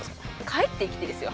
帰ってきてですよ